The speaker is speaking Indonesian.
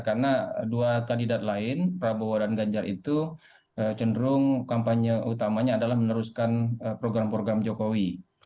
karena dua kandidat lain prabowo dan ganjar itu cenderung kampanye utamanya adalah meneruskan program program jokowi